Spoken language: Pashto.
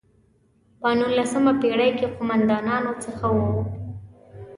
په نولسمه پېړۍ کې قوماندانانو څخه وو.